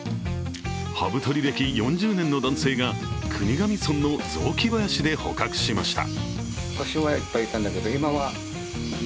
ハブ捕り歴４０年の男性が国頭村の雑木林で捕獲しました。